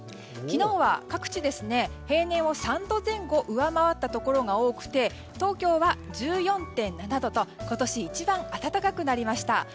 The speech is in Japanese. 昨日は各地、平年を３度前後上回ったところが多くて東京は１４．７度と今年一番暖かくなりました。